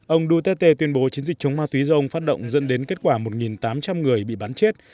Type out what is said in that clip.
ông duterte tuyên bố chiến dịch chống ma túy do ông phát động dẫn đến kết quả một tám trăm linh người bị bắn chết